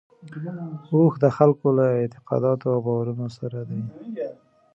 اوښ د خلکو له اعتقاداتو او باورونو سره دی.